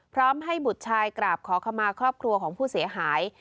พร้อมให้บุตรชายกราบขอขมาครอบครัวของผู้เสียหาย